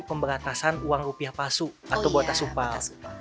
pemberatasan uang rupiah pasu atau buatan supal